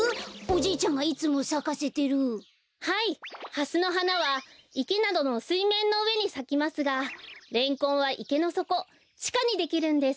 ハスのはなはいけなどのすいめんのうえにさきますがレンコンはいけのそこちかにできるんです。